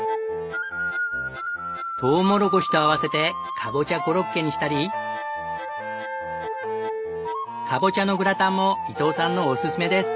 とうもろこしと合わせてカボチャコロッケにしたりカボチャのグラタンも伊藤さんのおすすめです。